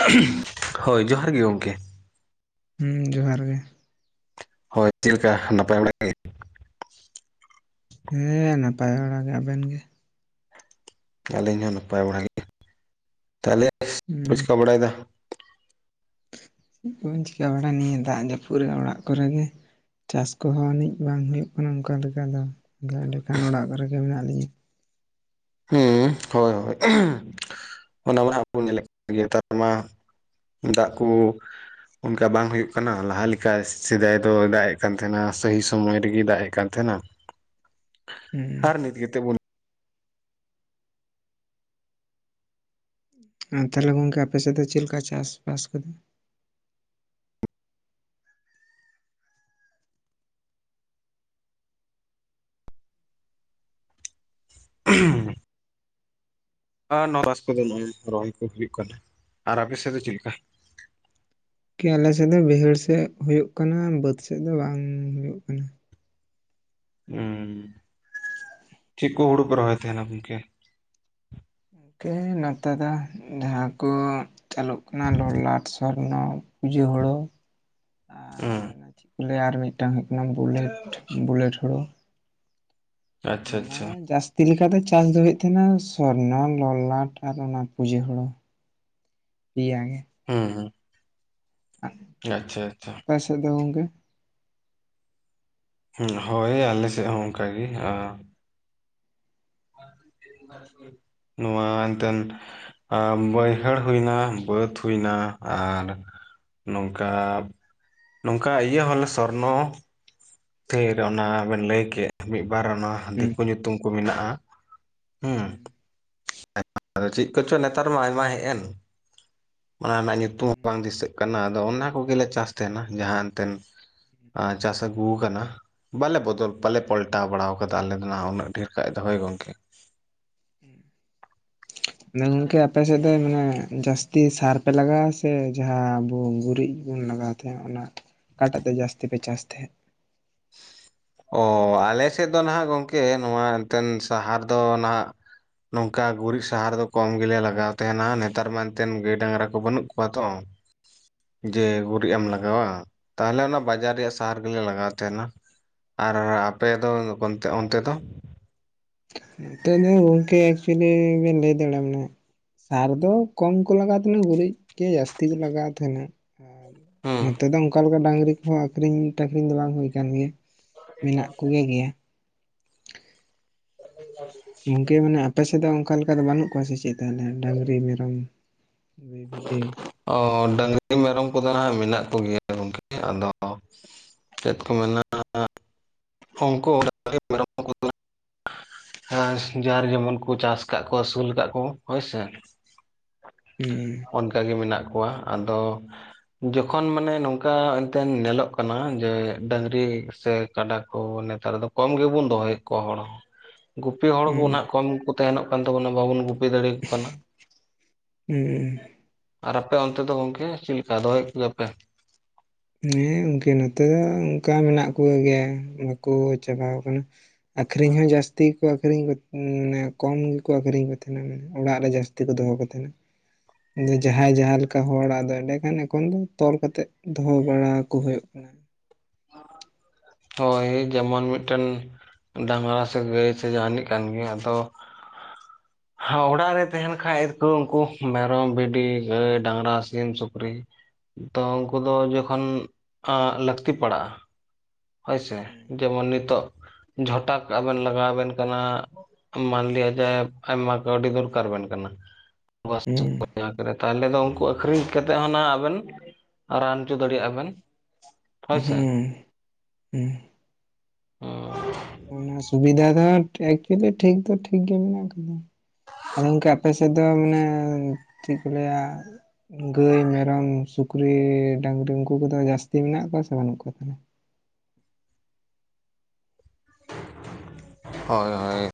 [unintelligible] ᱦᱳᱭ ᱡᱚᱦᱟᱨ ᱜᱮ ᱜᱚᱝᱠᱮ᱾ ᱦᱩᱸ ᱡᱚᱦᱟᱨ ᱜᱮ᱾ ᱦᱳᱭ ᱪᱮᱫ ᱞᱮᱠᱟ ᱱᱟᱯᱟᱭ ᱵᱟᱲ ᱜᱮ? ᱦᱮᱸ ᱱᱟᱯᱟᱭ ᱵᱟᱲᱟ ᱜᱮ, ᱟᱵᱮᱱ ᱜᱮ? ᱟᱹᱞᱤᱧ ᱦᱚᱸ ᱱᱟᱯᱟᱭ ᱵᱟᱲᱟ ᱜᱮ ᱛᱟᱦᱚᱞᱮ [unintelligible] ᱦᱩᱸ ᱪᱤᱠᱟᱹ ᱵᱟᱲᱟᱭ ᱫᱟ? ᱪᱮᱫ ᱠᱚᱵᱤᱱ ᱪᱤᱠᱟᱹ ᱵᱟᱲᱟᱭᱟ ᱱᱤᱭᱟᱹ ᱫᱟᱜ ᱡᱟᱹᱯᱩᱫ ᱨᱮ ᱚᱲᱟᱜ ᱠᱚᱨᱮ ᱜᱮ ᱪᱟᱥ ᱠᱚᱦᱚᱸ ᱟᱱᱤᱡ ᱵᱟᱝ ᱦᱩᱭᱩᱜ ᱠᱟᱱᱟ ᱚᱱᱠᱟ ᱞᱮᱠᱟ ᱫᱚ ᱟᱫᱚ ᱮᱸᱰᱮᱠᱷᱟᱱ ᱚᱲᱟᱜ ᱠᱚᱨᱮᱜᱮ ᱢᱮᱱᱟᱜ ᱞᱤᱧᱟᱹ᱾ ᱦᱩᱸ ᱦᱳᱭ ᱦᱳᱭ ᱚᱱᱟᱢᱟ [unintelligible] ᱧᱮᱞᱮᱫ [unintelligible] ᱢᱟ ᱫᱟᱜ ᱠᱚ ᱚᱱᱠᱟ ᱵᱟᱝ ᱦᱳᱭᱳᱜ ᱠᱟᱱᱟ ᱞᱟᱦᱟ ᱞᱮᱠᱟ ᱥᱮᱫᱟᱭ ᱫᱚᱭ ᱫᱟᱜ ᱮᱫ ᱠᱟᱱ ᱛᱟᱦᱮᱸᱱᱟ ᱥᱟᱹᱦᱤ ᱥᱚᱢᱚᱭ ᱨᱮᱜᱮ ᱫᱟᱜᱮᱜ ᱠᱟᱱ ᱛᱟᱦᱮᱸᱱᱟ ᱟᱨ ᱦᱩᱸ ᱱᱤᱛ ᱜᱮᱛᱚ ᱵᱚᱱ ᱟᱨ ᱛᱟᱦᱚᱞᱮ ᱜᱚᱢᱠᱮ ᱟᱯᱮ ᱥᱮᱫ ᱫᱚ ᱪᱮᱞᱮᱠᱟ ᱪᱟᱥᱵᱟᱥ ᱠᱚᱫᱚ? [unintelligible] ᱟᱨ ᱱᱚᱣᱟ ᱵᱟᱥ ᱠᱚᱫᱚ ᱱᱚᱜ-ᱚᱭ ᱨᱚᱦᱚᱭ ᱠᱚ ᱦᱩᱭᱩᱜ ᱠᱟᱱᱟ ᱟᱨ ᱟᱯᱮ ᱥᱮᱫ ᱫᱚ ᱪᱮᱫ ᱞᱮᱠᱟ? ᱠᱮ ᱟᱞᱮᱥᱮᱫ ᱫᱚ ᱵᱟᱹᱭᱦᱟᱹᱲ ᱥᱮᱫ ᱦᱳᱭᱳᱜ ᱠᱟᱱᱟ ᱵᱟᱹᱫᱽ ᱥᱮᱫ ᱫᱚ ᱵᱟᱝ ᱦᱳᱭᱳᱜ ᱠᱟᱱᱟ᱾ ᱦᱩᱸ ᱪᱤᱜ ᱠᱚ ᱦᱩᱲᱩ ᱠᱚ ᱨᱚᱦᱚᱭ ᱛᱟᱦᱮᱸᱱᱟ ᱜᱚᱢᱠᱮ? ᱜᱚᱢᱠᱮ ᱱᱚᱛᱮ ᱫᱚ ᱡᱟᱦᱟᱸ ᱠᱚ ᱪᱟᱹᱞᱩᱜ ᱠᱟᱱᱟ ᱞᱚᱞᱟᱴ, ᱥᱚᱨ ᱱᱚ ᱯᱩᱡᱟᱹ ᱦᱳᱲᱳ ᱟᱨ ᱦᱩᱸ, ᱚᱱᱟ ᱪᱮᱫ ᱠᱚ ᱞᱟᱹᱭᱟ ᱟᱨ ᱢᱤᱫᱴᱟᱝ ᱦᱩᱭᱩᱜ ᱠᱟᱱᱟ ᱵᱩᱞᱮᱴ ᱵᱩᱞᱮᱴ ᱦᱳᱲᱳ, ᱟᱪᱪᱷᱟ ᱱᱟᱱᱟ ᱟᱪᱪᱷᱟ ᱦᱮ ᱡᱟᱥ ᱛᱤ ᱞᱮᱠᱟ ᱫᱚ ᱪᱟᱥ ᱫᱚ ᱦᱩᱭᱩᱜ ᱛᱟᱦᱮᱸᱱᱟ ᱥᱚᱨᱱᱚ ᱞᱚᱞᱟᱴ ᱟᱨ ᱚᱱᱟ ᱯᱩᱡᱟᱹ ᱦᱳᱲᱳ᱾ ᱯᱮᱭᱟᱜᱮ᱾ ᱦᱩᱸ ᱦᱩᱸ᱾ [unintelligible] ᱟᱪᱪᱷᱟ ᱟᱪᱪᱷᱟ᱾ ᱟᱯᱮ ᱥᱮᱫ ᱫᱚ ᱜᱚᱢᱠᱮ? ᱦᱩᱸ ᱦᱳᱭ ᱟᱞᱮᱥᱮᱫ ᱦᱚᱸ ᱚᱱᱠᱟᱜᱮ ᱟᱨ [unintelligible] ᱱᱚᱣᱟ ᱮᱱᱛᱮᱱ ᱟ ᱵᱟᱹᱭᱦᱟᱹᱲ ᱦᱩᱭᱱᱟ ᱵᱟᱹᱫᱽ ᱦᱩᱭᱱᱟ ᱟᱨ ᱱᱚᱝᱠᱟ ᱱᱚᱝᱠᱟ ᱤᱭᱟᱹ ᱦᱚᱸᱞᱮ ᱥᱚᱨᱱᱚ ᱛᱷᱤᱨ ᱚᱱᱟ ᱵᱮᱱ ᱞᱟᱹᱭ ᱠᱮᱫ ᱢᱤᱫᱵᱟᱨ ᱚᱱᱟ ᱦᱩᱸ ᱫᱤᱠᱩ ᱧᱩᱛᱩᱢ ᱠᱚ ᱢᱮᱱᱟᱜ-ᱟ ᱦᱩᱸ [unintelligible] ᱟᱫᱚ ᱪᱮᱫ ᱠᱚᱪᱚ ᱱᱮᱛᱟᱨ ᱢᱟ ᱟᱭᱢᱟ ᱦᱮᱡ ᱮᱱ, ᱚᱱᱟ ᱨᱮᱱᱟᱜ ᱧᱩᱛᱩᱢ ᱦᱚᱸ ᱵᱟᱝ ᱫᱤᱥᱟᱹᱜ ᱠᱟᱱᱟ ᱟᱫᱚ ᱚᱱᱟ ᱠᱚᱜᱮᱞᱮ ᱪᱟᱥ ᱛᱟᱦᱮᱸᱱᱟ ᱡᱟᱦᱟᱸ ᱮᱱᱛᱮᱱ ᱟᱨ ᱪᱟᱥ ᱟ ᱜᱩ ᱟᱠᱟᱱᱟ ᱵᱟᱞᱮ ᱵᱚᱫᱚᱞ ᱵᱟᱞᱮ ᱯᱟᱞᱴᱟᱣ ᱵᱟᱲᱟᱣ ᱠᱟᱫᱟ ᱟᱞᱮ ᱫᱚ ᱱᱟᱦᱟᱜ ᱩᱱᱟᱹᱜ ᱰᱷᱮᱨ ᱠᱷᱟᱡ ᱫᱚ ᱦᱩᱭ ᱜᱚᱝᱠᱮ᱾ [unintelligible] ᱢᱟᱱᱮ ᱜᱚᱝᱠᱮ ᱟᱯᱮᱥᱮᱫ ᱫᱚ ᱢᱟᱱᱮ ᱡᱟᱹᱥᱛᱤ ᱥᱟᱨ ᱯᱮ ᱞᱟᱜᱟᱣᱟ ᱥᱮ ᱡᱟᱦᱟᱸ ᱟᱵᱚ ᱜᱩᱨᱤᱡ ᱵᱚᱱ ᱞᱟᱜᱟᱣ ᱛᱮ ᱚᱱᱟ ᱚᱠᱟᱴᱟᱜ ᱛᱮ ᱡᱟᱹᱥᱛᱤ ᱯᱮ ᱪᱟᱥ ᱛᱟᱦᱮᱸᱫ? ᱚᱻ ᱟᱞᱮ ᱥᱮᱫ ᱫᱚ ᱱᱟᱦᱟᱜ ᱜᱚᱢᱠᱮ ᱱᱚᱣᱟ ᱮᱱᱛᱮᱱ ᱥᱟᱦᱟᱨ ᱫᱚ ᱱᱟᱦᱟᱜ ᱱᱚᱝᱠᱟ ᱜᱩᱨᱤᱡ ᱥᱟᱦᱟᱨ ᱫᱚ ᱠᱚᱢ ᱜᱮᱞᱮ ᱞᱟᱜᱟᱣ ᱛᱟᱦᱮᱸᱱᱟ ᱱᱮᱛᱟᱨ ᱢᱟ ᱮᱱᱛᱮᱱ ᱜᱟᱹᱭ ᱰᱟᱝᱜᱨᱟ ᱠᱚ ᱵᱟᱹᱱᱩᱜ ᱠᱚᱣᱟ ᱛᱚ, ᱡᱮ ᱜᱩᱨᱤᱡ ᱮᱢ ᱞᱟᱜᱟᱣᱟ ᱛᱟᱦᱚᱞᱮ ᱚᱱᱟ ᱵᱟᱡᱟᱨ ᱨᱮᱭᱟᱜ ᱥᱟᱦᱟᱨ ᱜᱮᱞᱮ ᱞᱟᱜᱟᱣ ᱛᱟᱦᱮᱸᱱᱟ᱾ ᱟᱨ ᱟᱯᱮ ᱫᱚ ᱠᱚᱱᱛᱮ ᱚᱱᱛᱮ ᱫᱚ? ᱱᱚᱛᱮ ᱫᱚ ᱜᱚᱢᱠᱮ ᱮᱠᱪᱩᱭᱮᱞᱤ ᱵᱤᱱ ᱞᱟᱹᱭ ᱫᱟᱲᱮᱭᱟᱜ-ᱟ ᱢᱟᱱᱮ ᱥᱟᱨ ᱫᱚ ᱠᱚᱢ ᱠᱚ ᱞᱟᱜᱟᱣ ᱛᱟᱦᱮᱸᱱᱟ ᱜᱩᱨᱤᱡ ᱜᱮ ᱡᱟᱹᱥᱛᱤ ᱠᱚ ᱞᱟᱜᱟᱣ ᱛᱟᱦᱮᱸᱱᱟ᱾ ᱟᱨ ᱦᱩᱸ ᱱᱚᱛᱮ ᱫᱚ ᱚᱱᱠᱟ ᱞᱮᱠᱟ ᱰᱟᱹᱝᱨᱤ ᱠᱚᱦᱚ ᱟᱠᱷᱨᱤᱧ ᱴᱟᱠᱷᱨᱤᱧ ᱫᱚ ᱵᱟᱝ ᱦᱩᱭ ᱟᱠᱟᱱ ᱜᱮᱭᱟ᱾ ᱢᱮᱱᱟᱜ ᱠᱚᱜᱮ ᱜᱮᱭᱟ, ᱚᱱ ᱱᱟᱜᱮ ᱜᱚᱝᱠᱮ ᱢᱟᱱᱮ ᱟᱯᱮ ᱥᱮᱫ ᱫᱚ ᱚᱝᱠᱟ ᱞᱮᱠᱟ ᱜᱮ ᱵᱟᱹᱱᱩᱜ ᱠᱚᱣᱟ ᱥᱮ ᱪᱮᱫ ᱛᱟᱦᱮᱞᱮ ᱰᱟᱺᱜᱽᱨᱤ, ᱢᱮᱨᱚᱢ, ᱵᱷᱤ ᱵᱷᱤᱰᱤ? ᱚ ᱰᱟᱺᱜᱽᱨᱤ ᱢᱮᱨᱚᱢ ᱠᱚᱫᱚ ᱱᱷᱟᱸᱜ ᱢᱮᱱᱟᱜ ᱠᱚᱜᱮᱭᱟ ᱜᱚᱝᱠᱮ ᱟᱫᱚ ᱪᱮᱫ ᱠᱚ ᱢᱮᱱᱟᱜ-ᱟ, ᱩᱸᱠᱳ ᱰᱟᱺᱜᱽᱨᱤ ᱢᱮᱨᱚᱢ ᱠᱳᱫᱳ ᱟᱥ ᱡᱟᱨ ᱡᱮᱢᱚᱱ ᱠᱚ ᱪᱟᱥ ᱠᱟᱜ ᱠᱚᱣᱟ ᱟᱹᱥᱩᱞ ᱠᱟᱜ ᱠᱚ ᱦᱳᱭᱥᱮ᱾ ᱦᱩᱸ ᱚᱱᱠᱟ ᱜᱮ ᱢᱮᱱᱟᱜ ᱠᱚᱣᱟ, ᱟᱫᱚ ᱡᱚᱠᱷᱚᱱ ᱢᱟᱱᱮ ᱱᱚᱝᱠᱟ ᱮᱱᱛᱮᱱ ᱱᱮᱞᱚᱜ ᱠᱟᱱᱟ ᱡᱮ ᱰᱟᱺᱜᱽᱨᱤ ᱥᱮ ᱠᱟᱰᱟ ᱠᱚ ᱱᱮᱛᱟᱨ ᱫᱚ ᱠᱚᱢ ᱜᱮᱵᱚᱱ ᱫᱚᱦᱚᱭᱮᱜ ᱠᱚᱣᱟ ᱦᱚᱲ ᱦᱚᱸ ᱾ ᱜᱩᱯᱤ ᱦᱚᱲ ᱠᱚ ᱦᱩᱸ ᱱᱷᱟᱸᱜ ᱠᱚᱢ ᱜᱮᱠᱩ ᱛᱟᱦᱮᱸᱱᱚᱜ ᱠᱟᱱ ᱛᱟᱵᱚᱱᱟ, ᱵᱟᱵᱚᱱ ᱜᱩᱯᱤ ᱫᱟᱲᱮᱭᱟᱠᱚ ᱠᱟᱱᱟ ᱾ ᱦᱩᱸ ᱩᱸ᱾ ᱟᱨ ᱟᱯᱮ ᱚᱱᱛᱮ ᱫᱚ ᱜᱚᱝᱠᱮ ᱪᱤᱫ ᱞᱮᱠᱟ ᱫᱚᱦᱚᱭᱮᱫ ᱠᱚᱜᱮᱭᱟ ᱯᱮ? ᱦᱮᱸ ᱚᱝᱠᱮ ᱱᱚᱛᱮ ᱫᱚ ᱚᱝᱠᱟ ᱢᱮᱱᱟᱜ ᱠᱚᱜᱮᱭᱟ ᱵᱟᱠᱳ ᱪᱟᱵᱟᱣᱟᱠᱟᱱᱟ ᱾ ᱟᱹᱠᱨᱤᱧ ᱦᱚᱸ ᱡᱟᱹᱥᱛᱤ ᱜᱮᱠᱚ ᱟᱹᱠᱷᱨᱤᱧ ᱠᱚ, ᱩᱸ ᱢᱟᱱᱮ ᱠᱚᱢ ᱜᱮᱠᱚ ᱟᱹᱠᱷᱨᱤᱧ ᱠᱚ ᱛᱟᱦᱮᱸᱱᱟ ᱢᱟᱱᱮ ᱚᱲᱟᱜ ᱨᱮ ᱡᱟᱹᱥ ᱛᱤ ᱠᱚ ᱫᱚᱦᱚ ᱠᱚ ᱛᱟᱦᱮᱸᱱᱟ ᱾ ᱟᱫᱚ ᱡᱟᱦᱟᱸᱭ ᱡᱟᱦᱟᱸ ᱞᱮᱠᱟ ᱦᱚᱲᱼᱟᱜ ᱫᱚ ᱮᱸᱰᱮ ᱠᱷᱟᱱ ᱮᱠᱷᱚᱱ ᱫᱚ ᱛᱚᱞ ᱠᱟᱛᱮᱜ ᱫᱚᱦᱚ ᱵᱟᱲᱟ ᱠᱚ ᱦᱳᱭᱳᱜ ᱠᱟᱱᱟ ᱾ ᱟ ᱦᱳᱭ ᱡᱮᱢᱚᱱ ᱢᱤᱫᱴᱟᱹᱱ ᱰᱟᱺᱜᱽᱨᱟ ᱥᱮ ᱜᱟᱹᱭ ᱥᱮ ᱡᱟᱦᱟᱸᱱᱤᱡ ᱠᱟᱱ ᱜᱮ, ᱟᱫᱚ ᱦᱟᱸ ᱚᱲᱟᱜ ᱨᱮ ᱛᱟᱦᱮᱸᱱ ᱠᱷᱟᱡ ᱫᱚᱠᱚ ᱩᱱᱠᱩ ᱢᱮᱨᱚᱢ, ᱵᱷᱤᱰᱤ, ᱜᱟᱹᱭ, ᱰᱟᱺᱜᱽᱨᱟ, ᱥᱤᱢ, ᱥᱩᱠᱨᱤ ᱛᱚ ᱩᱝᱠᱩ ᱫᱚ ᱡᱚᱠᱷᱚᱱ ᱟᱸᱜ ᱞᱟᱹᱠᱛᱤ ᱯᱟᱲᱟᱜᱼᱟ, ᱦᱳᱭ ᱥᱮ ᱡᱮᱢᱚᱱ ᱱᱤᱛᱚᱜ ᱡᱷᱚᱴᱟᱠ ᱟᱵᱮᱱ ᱞᱟᱜᱟᱣ ᱟᱵᱮᱱ ᱠᱟᱱᱟ, ᱢᱟᱱ ᱞᱤᱭᱟ ᱡᱟᱭᱼᱵ ᱟᱭᱢᱟ ᱠᱟᱹᱣᱰᱤ ᱫᱚᱨᱠᱟᱨ ᱟᱵᱮᱱ ᱠᱟᱱᱟ, ᱜᱚᱥᱛᱳᱠ ᱦᱩᱸ [unintelligible] ᱡᱟᱠ ᱨᱮ ᱛᱟᱦᱮᱞᱮ ᱫᱚ ᱩᱱᱠᱩ ᱟᱠ ᱟᱹᱠᱷᱨᱤᱧ ᱠᱟᱛᱮᱜ ᱦᱚᱸ ᱱᱟ ᱟᱵᱮᱱ ᱨᱟᱱ ᱪᱚ ᱫᱟᱲᱮᱭᱟᱜᱼᱟ ᱵᱮᱱ ᱾ ᱦᱩᱸ ᱾ ᱦᱩᱸ ᱾ ᱚᱱᱟ ᱥᱩᱵᱤᱫᱷᱟ ᱫᱷᱚᱴ ᱮᱠ ᱪᱩᱞᱤ ᱴᱷᱤᱠ ᱫᱚ ᱴᱷᱤᱠ ᱜᱮ ᱢᱮᱱᱟᱜ ᱟᱠᱟᱫᱟ ᱾ ᱟᱫᱚ ᱜᱚᱝᱠᱮ ᱟᱯᱮ ᱥᱮᱫ ᱫᱚ ᱢᱟᱱᱮ ᱪᱮᱜ ᱠᱚ ᱞᱟᱹᱭᱼᱟ, ᱜᱟᱹᱭ, ᱢᱮᱨᱚᱢ, ᱥᱩᱠᱨᱤ, ᱰᱟᱺᱜᱽᱨᱤᱢ, ᱩᱱᱠᱩ ᱠᱚᱫᱚ ᱡᱟᱹᱥᱛᱤ ᱢᱮᱱᱟᱜ ᱠᱚᱣᱟ ᱥᱮ ᱵᱟᱹᱱᱩᱜ ᱠᱚᱣᱟ ᱛᱟᱦᱮᱞᱮ? ᱦᱚᱭ ᱦᱚᱭ,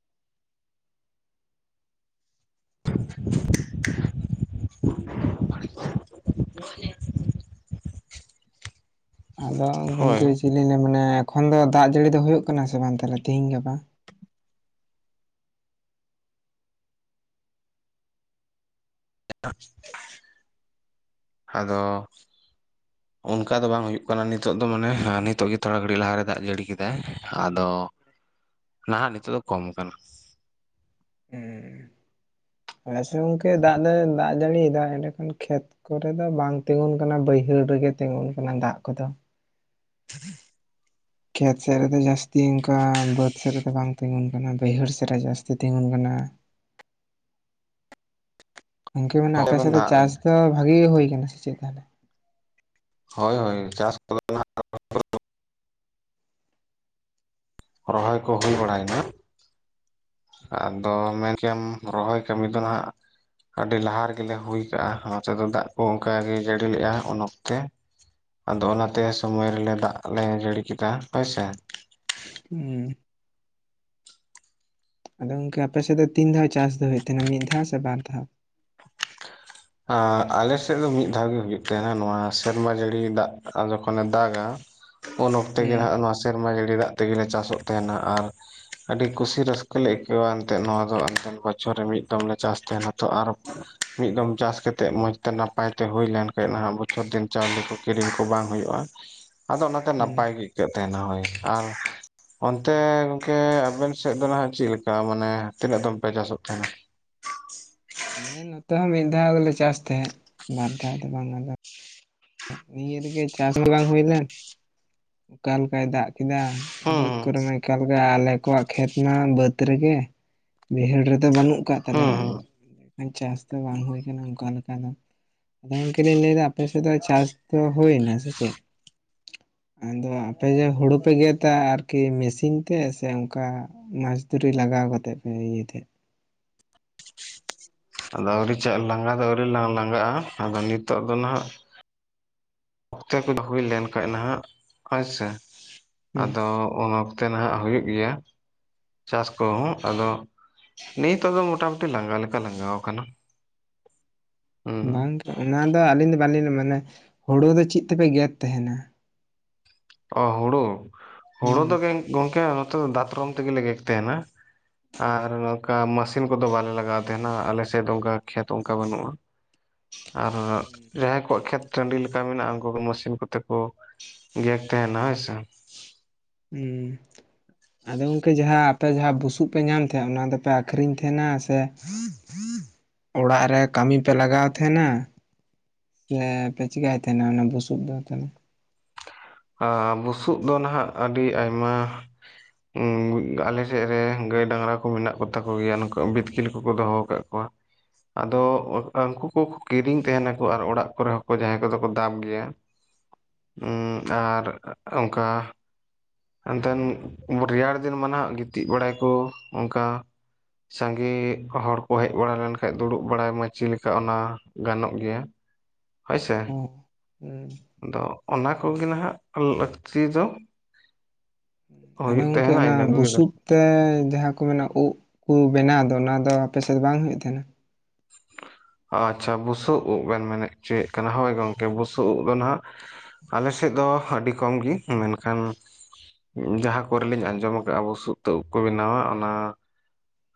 [unintelligible] ᱵᱟᱲᱜᱤ, [unintelligible] ᱠᱷᱳᱞᱮ, ᱟᱫᱚ ᱜᱚᱝᱠᱮ ᱪᱮᱫ ᱞᱤᱧ ᱞᱟᱹᱭᱼᱟ, ᱢᱟᱱᱮ ᱮᱠᱷᱚᱱ ᱫᱚ ᱫᱟᱜ ᱡᱟᱹᱲᱤ ᱫᱚ ᱦᱩᱭᱩᱜ ᱠᱟᱱᱟ ᱥᱮ ᱵᱟᱝ ᱛᱟᱦᱮᱞᱮ ᱛᱮᱦᱤᱧ ᱜᱟᱯᱟ? [unintelligible] ᱟᱫᱚ ᱚᱱᱠᱟ ᱫᱚ ᱵᱟᱝ ᱦᱩᱭᱩᱜ ᱠᱟᱱᱟ ᱱᱤᱛᱚᱜ ᱫᱚ ᱢᱟᱱᱮ ᱟᱸ ᱱᱤᱛᱚᱜ ᱜᱮ ᱛᱷᱚᱲᱟ ᱜᱷᱟᱹᱲᱤᱡ ᱞᱟᱦᱟ ᱨᱮ ᱫᱟᱜ ᱡᱟᱹᱲᱤ ᱠᱮᱫᱟᱭ ᱟᱫᱚ ᱱᱟᱦᱟᱸᱜ ᱱᱤᱛᱚᱜ ᱫᱚ ᱠᱚᱢ ᱟᱠᱟᱱᱟ ᱾ ᱟᱪᱪᱷᱟ ᱜᱚᱝᱠᱮ ᱫᱟᱜ ᱫᱚᱭ ᱫᱟᱜ ᱡᱟᱹᱲᱤ ᱭᱮᱫᱟ ᱮᱸᱰᱮ ᱠᱷᱳᱱ ᱠᱷᱮᱛ ᱠᱚᱨᱮ ᱫᱚ ᱵᱟᱝ ᱛᱤᱸᱜᱩᱱ ᱠᱟᱱᱟ ᱵᱟᱹᱭᱦᱟᱹᱲ ᱨᱮᱜᱮ ᱛᱤᱸᱜᱩᱱ ᱠᱟᱱᱟ ᱫᱟᱜ ᱠᱚᱫᱚ ᱾ [inaudible] ᱠᱷᱮᱛ ᱥᱮᱫ ᱨᱮᱫᱚ ᱡᱟᱹᱥᱛᱤ ᱚᱝᱠᱟ ᱵᱟᱹᱫᱽ ᱥᱮᱫ ᱨᱮᱫᱚ ᱵᱟᱝ ᱛᱤᱸᱜᱩᱱ ᱠᱟᱱᱟ, ᱵᱟᱹᱭᱦᱟᱹᱲ ᱥᱮᱫ ᱨᱮ ᱡᱟᱹᱥᱛᱤ ᱛᱤᱸᱜᱩᱱ ᱠᱟᱱᱟ ᱾ [inaudible] ᱜᱚᱝᱠᱮ ᱢᱟᱱᱮ ᱟᱯᱮ ᱥᱮᱫ ᱫᱚ ᱪᱟᱥ ᱫᱚ ᱵᱷᱟᱜᱮ ᱜᱮ ᱦᱩᱭ ᱠᱟᱱᱟ ᱥᱮ ᱪᱮᱫ, ᱛᱟᱦᱮᱞᱮ? ᱦᱳᱭ ᱦᱳᱭ ᱪᱟᱥ ᱠᱚᱫᱚ ᱱᱷᱟᱜ [unintelligible] ᱨᱚᱦᱚᱭ ᱠᱚ ᱦᱩᱭ ᱵᱟᱲᱟᱭᱮᱱᱟ, ᱟᱫᱚ ᱢᱮᱱ ᱠᱮᱭᱟᱢ ᱨᱚᱦᱚᱭ ᱠᱟᱹᱢᱤ ᱫᱚ ᱱᱷᱟᱸᱜ, ᱟᱹᱰᱤ ᱞᱟᱦᱟ ᱨᱮᱜᱮᱞᱮ ᱦᱩᱭᱠᱟᱜᱼᱟ ᱱᱚᱛᱮ ᱫᱚ ᱫᱟᱜ ᱠᱚ ᱚᱝᱠᱟ ᱜᱮ ᱡᱟᱹᱲᱤ ᱞᱮᱜᱼᱟᱭ ᱩᱱ ᱚᱠᱛᱮ ᱾ ᱟᱫᱚ ᱚᱱᱟᱛᱮ ᱥᱚᱢᱚᱭ ᱨᱮᱞᱮ ᱫᱟᱜ ᱞᱮ ᱡᱟᱹᱲᱤ ᱠᱮᱫᱟ ᱦᱳᱭᱥᱮ? ᱩᱸ [inaudible] ᱟᱫᱚ ᱜᱚᱝᱠᱮ ᱟᱯᱮᱥᱮᱫ ᱫᱚ ᱛᱤᱱ ᱫᱷᱟᱣ ᱪᱟᱥ ᱫᱚ ᱦᱩᱭᱩᱜ ᱛᱟᱦᱮᱱᱟ ᱢᱤᱫ ᱫᱷᱟᱣ ᱥᱮ ᱵᱟᱨ ᱫᱷᱟᱣ᱾ ᱟ ᱟᱞᱮᱥᱮᱫ ᱫᱚ ᱢᱤᱫ ᱫᱷᱟᱣ ᱜᱮ ᱦᱩᱭᱩᱜ ᱛᱟᱦᱮᱸᱱᱟ ᱱᱚᱣᱟ ᱥᱮᱨᱢᱟ ᱡᱟᱹᱲᱤ ᱫᱟᱜ ᱡᱚᱠᱷᱚᱱᱮ ᱫᱟᱜᱟ ᱾ ᱩᱱ ᱚᱠᱛᱮ ᱦᱩᱸ ᱜᱮ ᱦᱟᱸᱜ ᱱᱚᱣᱟ ᱥᱮᱨᱢᱟ ᱡᱟᱹᱲᱤ ᱫᱟᱜ ᱛᱮᱜᱮ ᱪᱟᱥᱚᱜ ᱛᱟᱦᱮᱱᱟ ᱟᱨ ᱟᱹᱰᱤ ᱠᱩᱥᱤ ᱨᱟᱹᱥᱠᱟᱹ ᱞᱮ ᱟᱹᱭᱠᱟᱹᱣᱟ ᱮᱱᱛᱮᱜ ᱱᱚᱣᱟ ᱫᱚ ᱚᱱᱛᱮᱱ ᱵᱚᱪᱷᱚᱨ ᱢᱤᱫ ᱫᱚᱢ ᱞᱮ ᱪᱟᱥ ᱛᱟᱦᱮᱱᱟ ᱛᱚ ᱟᱨ [unintelligible] ᱪᱟᱥ ᱠᱟᱛᱮᱜ ᱢᱚᱸᱡᱽ ᱛᱮ ᱱᱟᱯᱟᱭ ᱛᱮ ᱦᱩᱭ ᱞᱮᱱᱠᱷᱟᱱ ᱱᱟᱦᱟᱜ ᱵᱚᱪᱷᱚᱨ ᱫᱤᱱ ᱪᱟᱣᱞᱮ ᱠᱚ ᱠᱤᱨᱤᱧ ᱠᱚ ᱵᱟᱝ ᱦᱩᱭᱩᱜᱼᱟ᱾ ᱟᱫᱚ ᱚᱱᱟᱛᱮ ᱦᱩᱸ ᱱᱟᱯᱟᱭ ᱜᱤ ᱟᱹᱭᱠᱟᱹᱜ ᱛᱟᱦᱮᱸᱱᱟ ᱦᱳᱭ ᱟᱨᱼᱼ ᱚᱱᱛᱮ ᱜᱚᱝᱠᱮ ᱟᱵᱮᱱ ᱥᱮᱫ ᱫᱚ ᱱᱟᱦᱟᱜ ᱪᱮᱫ ᱞᱮᱠᱟ ᱢᱟᱱᱮ ᱛᱤᱱᱟᱹᱜ ᱫᱚᱢ ᱯᱮ ᱪᱟᱥᱚᱜ ᱛᱟᱦᱮᱸᱱᱟ? ᱟᱞᱮ ᱱᱚᱛᱮ ᱦᱚᱸ ᱢᱤᱫ ᱫᱷᱟᱣ ᱜᱮᱞᱮ ᱪᱟᱥ ᱛᱟᱦᱮᱸᱫ, ᱵᱟᱨ ᱫᱷᱟᱣ ᱫᱚ ᱵᱟᱝ ᱟᱫᱚ᱾ ᱱᱤᱭᱟᱹ ᱨᱮᱜᱮ ᱪᱟᱥ ᱢᱟ ᱜᱮ ᱵᱟᱝ ᱦᱩᱭ ᱞᱮᱱ ᱚᱠᱟ ᱞᱮᱠᱟᱭ ᱫᱟᱜ ᱠᱮᱫᱟ᱾ ᱦᱩᱸ ᱵᱟᱹᱫᱽ ᱦᱩᱸ ᱠᱚᱨᱮᱢᱟ ᱮᱠᱟᱞ ᱜᱮ ᱟᱞᱮ ᱠᱚᱣᱟᱜ ᱠᱷᱮᱛ ᱢᱟ ᱵᱟᱹᱫᱽ ᱨᱮᱜᱮ᱾ ᱵᱟᱹᱭᱦᱟᱹᱲ ᱨᱮᱫᱚ ᱵᱟᱹᱱᱩᱜ ᱠᱟᱫ ᱦᱩᱸ ᱛᱟᱞᱮᱭᱟ ᱦᱩᱸ ᱪᱟᱥ ᱫᱚ ᱵᱟᱝ ᱦᱩᱭ ᱠᱟᱱᱟ ᱚᱱᱠᱟ ᱞᱮᱠᱟ ᱫᱚ᱾ ᱟᱫᱚ ᱜᱚᱝᱠᱮ ᱞᱤᱧ ᱞᱟᱹᱭᱫᱟ ᱟᱯᱮ ᱥᱮᱫ ᱫᱚ ᱪᱟᱥ ᱫᱚ ᱦᱩᱭᱱᱟ ᱥᱮ ᱪᱮᱫ? ᱟᱫᱚ ᱟᱯᱮ ᱡᱮ ᱦᱩᱲᱩ ᱯᱮ ᱜᱮᱫᱟ ᱟᱨᱠᱤ ᱢᱮᱥᱤᱱ ᱛᱮ ᱥᱮ ᱚᱱᱠᱟᱼᱼ ᱢᱟᱥ ᱫᱷᱩᱨᱤ ᱞᱟᱜᱟᱣ ᱠᱟᱛᱮᱫ ᱯᱮ ᱤᱭᱟᱹ ᱛᱟᱦᱮᱸᱫ? ᱟᱫᱚ ᱟᱹᱣᱨᱤ ᱪᱟᱜ ᱞᱟᱸᱜᱟ ᱫᱚ ᱟᱹᱣᱨᱤ ᱞᱟᱝ ᱞᱟᱜᱟᱜᱼᱟ, ᱟᱫᱚ ᱱᱤᱛᱚᱜ ᱫᱚ ᱱᱟᱦᱟᱜᱼᱼ ᱚᱠᱛᱮ ᱠᱚᱫᱚ ᱦᱩᱭ ᱞᱮᱱ ᱠᱷᱟᱡ ᱱᱟᱦᱟᱜ ᱦᱳᱭᱥᱮ ᱦᱩᱸ ᱟᱫᱚ ᱩᱱ ᱚᱠᱼᱼ ᱛᱮ ᱱᱟᱦᱟᱜ ᱦᱩᱭᱩᱜ ᱜᱮᱭᱟ᱾ ᱪᱟᱥ ᱠᱚᱦᱚᱸ ᱟᱫᱚ ᱱᱤᱛᱚᱜ ᱫᱚ ᱢᱚᱴᱟᱢᱩᱴᱤ ᱞᱟᱸᱜᱟ ᱞᱮᱠᱟ ᱞᱟᱸᱜᱟᱣ ᱟᱠᱟᱱᱟ᱾ ᱵᱟᱝ ᱜᱮ ᱚᱱᱟ ᱫᱚ ᱟᱹᱞᱤᱧ ᱫᱚ ᱵᱟᱹᱞᱤᱧ ᱢᱟᱱᱮ ᱦᱩᱲᱩ ᱫᱚ ᱪᱮᱫ ᱛᱮᱯᱮ ᱜᱮᱫ ᱛᱟᱦᱮᱸᱱᱟ? ᱚ ᱦᱩᱲᱩ ᱦᱩᱲᱩ ᱫᱚ ᱦᱩᱸ ᱜᱮᱝ ᱜᱚᱝᱠᱮ ᱱᱚᱛᱮ ᱫᱚ ᱫᱟᱛᱨᱚᱢ ᱛᱮᱜᱮ ᱞᱮ ᱜᱮᱫ ᱛᱟᱦᱮᱸᱱᱟ᱾ ᱟᱨ ᱱᱚᱝᱠᱟ ᱢᱟᱹᱥᱤᱱ ᱠᱚᱫᱚ ᱵᱟᱞᱮ ᱞᱟᱜᱟᱣ ᱛᱟᱦᱮᱸᱱᱟ ᱟᱞᱮ ᱥᱮᱫ ᱚᱱᱠᱟ ᱠᱷᱮᱛ ᱚᱱᱠᱟ ᱵᱟᱹᱱᱩᱜᱼᱟ᱾ ᱦᱮᱸ [unintelligible] ᱟᱨ ᱡᱟᱦᱟᱸᱭ ᱠᱚᱣᱟᱜ ᱠᱷᱮᱛ ᱴᱟᱺᱰᱤ ᱞᱮᱠᱟ ᱢᱮᱱᱟᱜᱼᱟ ᱩᱱᱠᱩ ᱫᱚ ᱢᱟᱹᱥᱤᱱ ᱠᱚᱛᱮ ᱠᱚ ᱜᱮᱫᱼᱼ ᱛᱟᱦᱮᱸᱱᱟ ᱦᱳᱭ ᱥᱮ᱾ ᱦᱩᱸ ᱾ ᱟᱫᱚ ᱜᱚᱝᱠᱮ ᱡᱟᱦᱟᱸ ᱟᱯᱮ ᱡᱟᱦᱟᱸ ᱵᱩᱥᱩᱵ ᱯᱮ ᱧᱟᱢ ᱛᱟᱦᱮᱸᱫ ᱚᱱᱟ ᱫᱚᱯᱮ ᱟᱹᱠᱷᱨᱤᱧ ᱛᱟᱦᱮᱸᱱᱟ ᱥᱮᱼᱼ ᱚᱲᱟᱜ ᱨᱮ ᱠᱟᱹᱢᱤ ᱯᱮ ᱞᱟᱜᱟᱣ ᱛᱟᱦᱮᱸᱱᱟ᱾ ᱛᱟᱦᱚᱞᱮ ᱯᱮ ᱪᱤᱠᱟᱹᱭ ᱛᱟᱦᱮᱸᱱᱟ ᱚᱱᱟ ᱵᱩᱥᱩᱵ ᱫᱚ ᱛᱟᱦᱚᱞᱮ? ᱟ ᱵᱩᱥᱩᱵ ᱫᱚ ᱱᱟᱦᱟᱜ ᱟᱹᱰᱤ ᱟᱭᱢᱟᱼᱼ ᱩᱸ ᱟᱞᱮ ᱥᱮᱫ ᱨᱮ ᱜᱟᱹᱭ ᱰᱟᱝᱨᱟ ᱠᱚ ᱢᱮᱱᱟᱜ ᱠᱚᱛᱟ ᱠᱚ ᱜᱮᱭᱟ ᱱᱚᱝᱠᱟ ᱵᱤᱛᱠᱤᱞ ᱠᱚᱠᱚ ᱫᱚᱦᱚ ᱟᱠᱟᱫ ᱠᱚᱣᱟ᱾ ᱟᱫᱚ ᱚᱱᱠᱟᱱ ᱠᱩᱼᱼ ᱩᱱᱠᱩ ᱠᱤᱨᱤᱧ ᱛᱟᱦᱮᱸᱱᱟᱠᱚ ᱟᱨ ᱚᱲᱟᱜ ᱠᱚᱨᱮ ᱦᱚᱸᱠᱚ ᱡᱟᱦᱟᱸᱭ ᱠᱚᱫᱚ ᱠᱚ ᱫᱟᱵ ᱜᱮᱭᱟ᱾ ᱟᱨ ᱚᱱᱠᱟᱼᱼ ᱮᱱᱛᱮᱱ ᱨᱮᱭᱟᱲ ᱫᱤᱱ ᱢᱟ ᱱᱟᱦᱟᱜ ᱜᱤᱛᱤᱡ ᱵᱟᱲᱟᱭᱠᱚ ᱚᱱᱠᱟ᱾ ᱥᱟᱸᱜᱮ ᱦᱚᱲ ᱠᱚ ᱦᱮᱡ ᱵᱟᱲᱟ ᱞᱮᱱ ᱠᱷᱟᱡ ᱫᱩᱲᱩᱵ ᱵᱟᱲᱟᱭ ᱢᱟᱹᱪᱤ ᱞᱮᱠᱟ ᱚᱱᱟ ᱜᱟᱱᱚᱜ ᱜᱮᱭᱟ᱾ [unintelligible] ᱦᱳᱭᱥᱮ, ᱚ ᱦᱩᱸ ᱟᱫᱚ ᱚᱱᱟ ᱠᱚᱜᱮ ᱱᱟᱦᱟᱜ ᱞᱟᱹᱠᱛᱤ ᱫᱚ᱾ ᱟᱫᱚ ᱦᱩᱭᱩᱜ ᱜᱚᱝᱠᱮ ᱛᱟᱦᱮᱱᱟ ᱚᱱᱟ ᱤᱱᱟᱹ ᱠᱚᱜᱮ ᱵᱩᱥᱩᱵ᱾ ᱛᱮ ᱡᱟᱦᱟᱸ ᱠᱚ ᱢᱮᱱᱟ ᱩᱵ ᱠᱚ ᱵᱮᱱᱟᱣ ᱫᱚ ᱚᱱᱟ ᱫᱚ ᱟᱯᱮ ᱥᱮᱫ ᱫᱚ ᱵᱟᱝ ᱦᱩᱭᱩᱜ ᱛᱟᱦᱮᱸᱱᱟ? ᱟᱪᱪᱷᱟ ᱵᱩᱥᱩᱵ ᱩᱵ ᱵᱮᱱ ᱢᱮᱱᱮᱫ ᱦᱚᱪᱚᱭᱮᱫ ᱠᱟᱱᱟ ᱦᱳᱭ ᱜᱚᱝᱠᱮ ᱵᱩᱥᱩᱵ ᱩᱵ ᱫᱚ ᱱᱟᱦᱟᱸᱜᱼᱼ ᱟᱞᱮ ᱥᱮᱫ ᱫᱚ ᱟᱹᱰᱤ ᱠᱚᱢ ᱜᱤ, ᱢᱮᱱᱠᱷᱟᱱ, ᱡᱟᱦᱟᱸ ᱠᱚᱨᱮ ᱞᱤᱧ ᱟᱸᱡᱚᱢ ᱟᱠᱟᱼᱟ ᱵᱩᱥᱩᱵ ᱛᱮ ᱩᱵ ᱠᱚ ᱵᱮᱱᱟᱣᱟ᱾ ᱚᱱᱟ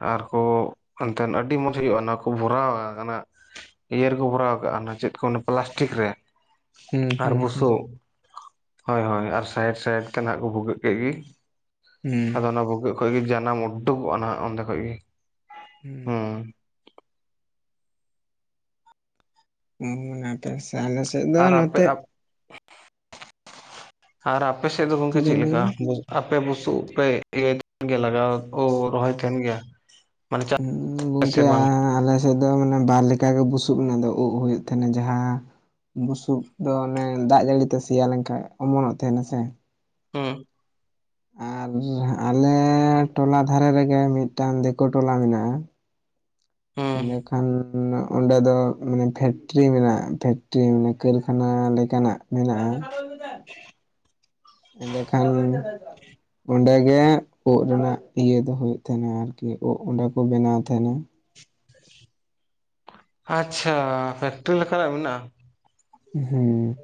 ᱟᱨᱠᱚᱸ ᱮᱱᱛᱮᱱ ᱟᱹᱰᱤ ᱢᱚᱸᱡᱽ ᱦᱩᱭᱩᱜᱼᱟ᱾ ᱚᱱᱟ ᱠᱚ ᱵᱷᱚᱨᱟᱣᱟ ᱚᱱᱟ ᱤᱭᱟᱹ ᱨᱮᱠᱚ ᱵᱷᱚᱨᱟᱣ ᱠᱟᱜᱼᱟ ᱚᱱᱟ ᱪᱮᱫ ᱠᱚ ᱚᱱᱟ [unintelligible] ᱯᱞᱟᱥᱴᱤᱠ ᱨᱮ ᱦᱩᱸ ᱟᱨ ᱦᱩᱸ ᱦᱩᱸ ᱵᱩᱥᱩᱵ᱾ ᱦᱳᱭ ᱦᱳᱭ ᱟᱨ ᱥᱟᱭᱤᱰ ᱥᱟᱭᱤᱰ ᱛᱮ ᱱᱟᱦᱟᱜ ᱠᱚ ᱵᱷᱩᱜᱟᱹᱜ ᱠᱮᱫ ᱜᱮ᱾ ᱦᱩᱸ ᱟᱫᱚ ᱚᱱᱟ ᱵᱷᱩᱜᱟᱹᱜ ᱠᱷᱚᱡ ᱜᱮ ᱡᱟᱱᱟᱢ ᱩᱰᱩᱠᱚᱜᱼᱟ ᱱᱟᱦᱟᱜ ᱚᱱᱟ ᱚᱸᱰᱮ ᱠᱷᱚᱡ ᱜᱮ ᱦᱩᱸ᱾ ᱚᱱᱟ ᱛᱮ ᱥᱮ ᱟᱞᱮ ᱥᱮᱫ ᱫᱚ ᱟᱨ ᱟᱯᱮ ᱱᱚᱛᱮ ᱟᱨ ᱟᱯᱮ ᱥᱮᱫ ᱫᱚ ᱜᱚᱝᱠᱮ ᱪᱮᱫ ᱪᱮ ᱵᱮᱱ ᱞᱮᱠᱟ? ᱞᱟᱹᱭᱫᱟ ᱟᱯᱮ ᱵᱩᱥᱩᱵ ᱩᱵᱽ ᱯᱮ ᱤᱭᱟᱹᱭ ᱜᱮ ᱞᱟᱜᱟᱣ ᱳ ᱨᱚᱦᱚᱭ ᱛᱟᱦᱮᱸᱱ ᱜᱮᱭᱟ? ᱢᱟᱱᱮ ᱪᱟᱥ [unintelligible] ᱥᱮ ᱜᱚᱝᱠᱮ ᱵᱟᱝ [unintelligible] ᱟᱞᱮ ᱥᱮᱫ ᱫᱚ ᱢᱟᱱᱮ ᱵᱟᱨ ᱞᱮᱠᱟ ᱜᱮ ᱵᱩᱥᱩᱵᱽ ᱨᱮᱱᱟᱜ ᱫᱚ ᱩᱵᱽ ᱦᱩᱭᱩᱜ ᱛᱟᱦᱮᱸᱱᱟ᱾ ᱡᱟᱦᱟᱸ ᱵᱩᱥᱩᱵ ᱫᱚ ᱚᱱᱮ ᱫᱟᱜ ᱡᱟᱹᱲᱤᱛᱮ ᱥᱮᱭᱟ ᱞᱮᱱᱠᱷᱟᱱ ᱚᱢᱚᱱᱚᱜ ᱛᱟᱦᱮᱱᱟ ᱥᱮ᱾ ᱦᱮᱸ᱾ ᱟᱨ ᱟᱞᱮ ᱴᱚᱞᱟ ᱫᱷᱟᱨᱮ ᱨᱮᱜᱮ ᱢᱤᱫᱴᱟᱝ ᱫᱤᱠᱩ ᱴᱚᱞᱟ ᱢᱮᱱᱟᱜ-ᱟ᱾ ᱦᱩᱸ ᱤᱱᱟᱹ ᱠᱷᱟᱱ ᱚᱸᱰᱮ ᱫᱚ ᱢᱟᱱᱮ ᱯᱷᱮᱠᱴᱨᱤ ᱢᱮᱱᱟᱜ-ᱟ ᱯᱷᱮᱠᱴᱨᱤ ᱚᱱᱮ ᱠᱟᱹᱨᱠᱷᱟᱱᱟ ᱞᱮᱠᱟᱱᱟᱜ ᱢᱮᱱᱟᱜ-ᱟ᱾ [inaudible] ᱮᱸᱰᱮ ᱠᱷᱟᱱ ᱚᱸᱰᱮ ᱜᱮ ᱩᱫ ᱨᱮᱱᱟᱜ ᱤᱭᱟᱹ ᱫᱚ ᱦᱩᱭᱩᱜ ᱛᱟᱦᱮᱱᱟ ᱟᱨᱠᱤ ᱩᱫ ᱚᱸᱰᱮ ᱠᱚ ᱵᱮᱱᱟᱣ ᱛᱟᱦᱮᱱᱟ᱾ ᱟᱪᱪᱷᱟ ᱯᱷᱮᱠᱴᱨᱤ ᱞᱮᱠᱟᱱᱟᱜ ᱢᱮᱱᱟᱜᱼᱟ? ᱦᱩᱸ᱾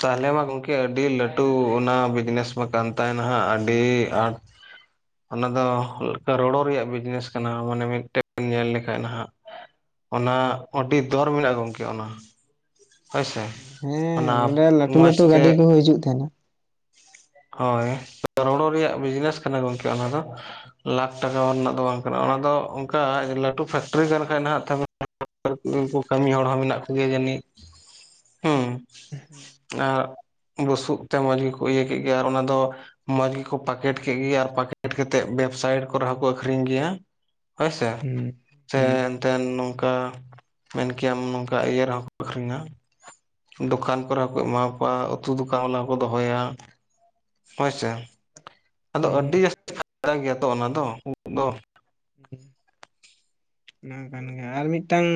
ᱛᱟᱦᱚᱞᱮ ᱢᱟ ᱜᱚᱝᱠᱮ ᱟᱹᱰᱤ ᱞᱟᱹᱴᱩ ᱚᱱᱟ ᱵᱤᱡᱽᱱᱮᱥ ᱢᱟ ᱠᱟᱱ ᱛᱟᱭᱱᱟᱦᱟᱜ ᱟᱹᱰᱤ ᱟᱸᱴ ᱚᱱᱟ ᱫᱚ ᱠᱟᱨᱚᱲᱚ ᱨᱮᱭᱟᱜ ᱵᱤᱡᱽᱱᱮᱥ ᱠᱟᱱᱟ ᱢᱟᱱᱮ ᱢᱤᱫᱴᱮᱱ ᱧᱮᱞ ᱞᱮᱠᱷᱟᱡ ᱱᱟᱦᱟᱜ᱾ ᱚᱱᱟ ᱟᱹᱰᱤ ᱫᱚᱨ ᱢᱮᱱᱟᱜ-ᱟ ᱜᱚᱝᱠᱮ ᱚᱱᱟ᱾ ᱦᱳᱭᱥᱮ ᱦᱮᱸ ᱚᱱᱟ ᱱᱚᱸᱰᱮ ᱞᱟᱹᱴᱩ ᱢᱚᱡᱽ ᱞᱟᱹᱴᱩ ᱛᱮ ᱜᱟᱹᱰᱤ ᱠᱚᱦᱚᱸ ᱦᱤᱡᱩᱜ ᱛᱟᱦᱮᱱᱟ᱾ ᱦᱳᱭ ᱠᱟᱨᱚᱲᱚ ᱨᱮᱭᱟᱜ ᱵᱤᱡᱽᱱᱮᱥ ᱠᱟᱱᱟ ᱜᱚᱝᱠᱮ ᱚᱱᱟ ᱫᱚ᱾ ᱞᱟᱠᱷ ᱴᱟᱠᱟ ᱨᱮᱱᱟᱜ ᱫᱚ ᱵᱟᱝ ᱠᱟᱱᱟ ᱚᱱᱟᱫᱚ ᱚᱱᱠᱟ ᱞᱟᱹᱴᱩ ᱯᱷᱮᱠᱴᱨᱤ ᱠᱟᱱ ᱠᱷᱟᱡ ᱱᱟᱦᱟᱜ ᱩᱱᱠᱩ ᱠᱟᱹᱢᱤ ᱦᱚᱲ ᱦᱚᱸ ᱢᱮᱱᱟᱜ ᱠᱚ ᱜᱮᱭᱟ ᱡᱟᱱᱤᱡ ᱦᱩᱸ [inaudible] ᱟᱨ ᱵᱩᱥᱩᱵ ᱛᱮ ᱢᱚᱸᱡᱽ ᱜᱮᱠᱚ ᱤᱭᱟᱹ ᱠᱮᱫ ᱜᱮ ᱟᱨ ᱚᱱᱟᱫᱚ ᱢᱚᱸᱡᱽ ᱜᱮᱠᱚ ᱯᱟᱠᱮᱴ ᱠᱮᱫ ᱜᱮ ᱟᱨ ᱯᱟᱠᱮᱴ ᱠᱟᱛᱮᱫ ᱳᱭᱮᱵᱥᱟᱭᱤᱴ ᱠᱚᱨᱮ ᱦᱚᱸᱠᱚ ᱟᱹᱠᱷᱨᱤᱧ ᱜᱮᱭᱟ᱾ ᱦᱳᱭ ᱥᱮ᱾ ᱦᱩᱸ ᱪᱮ ᱦᱩᱸ ᱮᱱᱛᱮ ᱱᱚᱝᱠᱟ ᱢᱮᱱ ᱠᱮᱭᱟᱢ ᱱᱚᱝᱠᱟ ᱤᱭᱟᱹ ᱨᱮᱦᱚᱸ ᱠᱚ ᱟᱹᱠᱷᱨᱤᱧᱟ᱾ ᱫᱚᱠᱟᱱ ᱠᱚᱨᱮ ᱦᱚᱸᱠᱚ ᱮᱢᱟᱣ ᱠᱚᱣᱟ ᱩᱛᱩ ᱫᱚᱠᱟᱱ ᱟᱣᱞᱟ ᱦᱚᱸᱠᱚ ᱫᱚᱦᱚᱭᱟ᱾ ᱦᱳᱭ ᱦᱩᱸ ᱥᱮ ᱟᱫᱚ ᱦᱩᱸ ᱟᱹᱰᱤ ᱡᱟᱹᱥᱛᱤ [inaudible] ᱜᱮᱭᱟ ᱛᱚ ᱚᱱᱟ ᱫᱚ ᱩᱫ ᱫᱚ᱾ [inaudible] ᱠᱟᱱ ᱜᱮᱭᱟ ᱟᱨ ᱢᱤᱫᱴᱟᱝ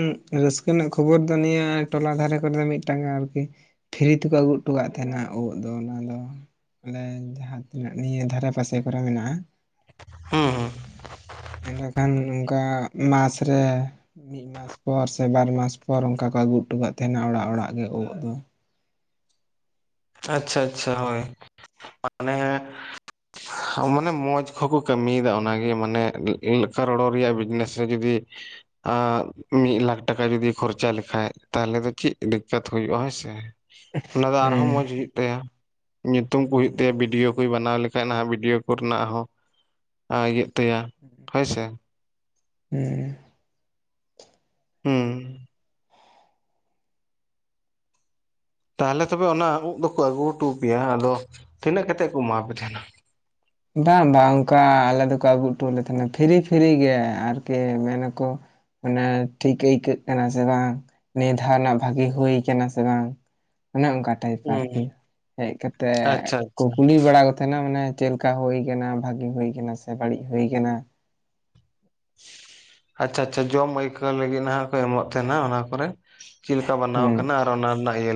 ᱨᱟᱹᱥᱠᱟᱹ ᱨᱮᱱᱟᱜ ᱠᱷᱚᱵᱚᱨ ᱫᱚ ᱱᱤᱭᱟᱹ ᱴᱚᱞᱟ ᱫᱷᱟᱨᱮ ᱠᱚᱨᱮ ᱫᱚ ᱢᱤᱫᱴᱟᱝ ᱟᱨᱠᱤ ᱯᱷᱨᱤ ᱛᱮᱠᱚ ᱟᱹᱜᱩ ᱦᱚᱴᱚᱜ ᱠᱟᱱ ᱛᱟᱦᱮᱱᱟ ᱩᱸᱫ ᱫᱚ ᱚᱱᱟ ᱫᱚ᱾ ᱟᱞᱮ ᱡᱟᱦᱟᱸ ᱛᱤᱱᱟᱹᱜ ᱱᱤᱭᱟᱹ ᱫᱷᱟᱨᱮ ᱯᱟᱥᱮ ᱠᱚᱨᱮ ᱢᱮᱱᱟᱜ-ᱟ᱾ ᱦᱩᱸ ᱦᱩᱸ᱾ ᱮᱰᱮᱠᱷᱟᱱ ᱱᱚᱝᱠᱟ ᱢᱟᱥ ᱨᱮ ᱢᱤᱫ ᱢᱟᱥ ᱢᱟᱥ ᱯᱚᱨ ᱥᱮ ᱵᱟᱨ ᱢᱟᱥ ᱯᱚᱨ ᱚᱱᱠᱟ ᱠᱚ ᱟᱹᱜᱩ ᱦᱚᱴᱚ ᱠᱟᱫ ᱛᱟᱦᱮᱱᱟ ᱚᱲᱟᱜ ᱚᱲᱟᱜ ᱜᱮ ᱳᱫ ᱫᱚ᱾ ᱟᱪᱪᱷᱟ ᱟᱪᱪᱷᱟ ᱦᱳᱭ ᱢᱟᱱᱮ ᱢᱟᱱᱮ ᱢᱚᱸᱡᱽ ᱠᱚᱠᱚ ᱠᱟᱹᱢᱤᱭᱮᱫᱟ ᱚᱱᱟᱜᱮ ᱢᱟᱱᱮ ᱠᱟᱨᱚᱲᱚ ᱨᱮᱭᱟᱜ ᱵᱤᱡᱽᱱᱮᱥ ᱨᱮ ᱡᱩᱫᱤ ᱢᱤᱫ ᱞᱟᱠᱷ ᱴᱟᱠᱟ ᱡᱩᱫᱤ ᱠᱷᱚᱨᱪᱟ ᱞᱮᱠᱷᱟᱡ ᱛᱟᱦᱚᱞᱮ ᱫᱚ ᱪᱮᱫ ᱫᱤᱠᱟᱛ ᱦᱩᱭᱩᱜ-ᱟ ᱦᱮᱸᱥᱮ᱾ ᱚᱱᱟ ᱫᱚ ᱦᱮᱸ ᱟᱨᱦᱚᱸ ᱢᱚᱸᱡᱽ ᱦᱩᱭᱩᱜ ᱛᱟᱭᱟ ᱧᱩᱛᱩᱢ ᱠᱚ ᱦᱩᱭᱩᱜ ᱛᱟᱭᱟ ᱵᱷᱤᱰᱭᱳ ᱠᱚᱭ ᱵᱮᱱᱟᱣ ᱞᱮᱠᱷᱟᱡ ᱱᱟᱦᱟᱜ ᱤᱭᱟᱹ ᱠᱚ ᱨᱮᱱᱟᱜ ᱦᱚᱸ, ᱟ ᱤᱭᱟᱹᱜ ᱛᱟᱭᱟ᱾ ᱟᱪᱪᱷᱟ᱾ ᱦᱩᱸ᱾ ᱦᱩᱸ᱾ ᱛᱟᱦᱚᱸᱞᱮ ᱛᱚᱵᱮ ᱚᱱᱟ ᱩᱫ ᱫᱚᱠᱚ ᱟᱹᱜᱩ ᱦᱚᱴᱚ ᱟᱯᱮᱭᱟ, ᱟᱫᱚ ᱛᱤᱱᱟᱹᱜ ᱠᱟᱛᱮ ᱠᱚ ᱮᱢᱟ ᱯᱮ ᱛᱟᱦᱮᱸᱱᱟ? ᱵᱟᱝ ᱵᱟᱝ ᱚᱱᱠᱟ ᱟᱞᱮ ᱫᱚᱠᱚ ᱟᱹᱜᱩ ᱦᱚᱴᱚᱣᱟᱞᱮ ᱛᱟᱦᱮᱸᱱᱟ ᱯᱷᱤᱨᱤ ᱯᱷᱤᱨᱤ ᱜᱮ ᱟᱨᱠᱤ ᱢᱮᱱᱟᱠᱚ ᱢᱟᱱᱮ ᱴᱷᱤᱠ ᱟᱹᱭᱠᱟᱹᱜ ᱠᱟᱱᱟ ᱥᱮ ᱵᱟᱝ, ᱱᱤᱭᱟᱹ ᱫᱷᱟᱣ ᱨᱮᱱᱟᱜ ᱵᱷᱟᱹᱜᱤ ᱦᱩᱭ ᱠᱟᱱᱟ ᱥᱮ ᱵᱟᱝ᱾ ᱚᱱᱮ ᱚᱱᱠᱟ ᱴᱟᱭᱤᱯ ᱦᱩᱸ ᱟᱨᱠᱤ, ᱦᱮᱡ ᱠᱟᱛᱮᱜ ᱟᱪᱪᱷᱟ ᱠᱚ ᱟᱪᱪᱷᱟ ᱠᱩᱞᱤ ᱵᱟᱲᱟ ᱠᱚ ᱛᱟᱦᱮᱸᱱᱟ ᱢᱟᱱᱮ ᱪᱮᱫ ᱠᱟ ᱦᱩᱭ ᱠᱟᱱᱟ ᱵᱷᱟᱜᱤ ᱦᱩᱭ ᱠᱟᱱᱟ ᱥᱮ ᱵᱟᱹᱲᱤᱡ ᱦᱩᱭ ᱠᱟᱱᱟ᱾ ᱟᱪᱪᱷᱟ ᱟᱪᱪᱷᱟ ᱡᱚᱢ ᱟᱹᱭᱠᱟᱹᱣ ᱞᱟᱹᱜᱤᱫ ᱱᱟᱦᱟᱸᱜ ᱠᱚ ᱮᱢᱚᱜ ᱛᱟᱦᱮᱸᱱᱟ ᱚᱱᱟ ᱠᱚᱨᱮ᱾ ᱪᱤᱫ ᱞᱮᱠᱟ ᱵᱟᱱᱟᱣ ᱦᱩᱸ ᱟᱠᱟᱱᱟ ᱟᱨ ᱚᱱᱟ ᱨᱮᱱᱟᱜ ᱜᱮᱞ